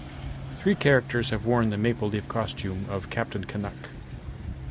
Three characters have worn the maple leaf costume of Captain Canuck.